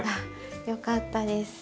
よかったです。